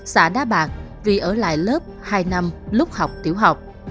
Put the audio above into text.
xã đá bạc vì ở lại lớp hai năm lúc học tiểu học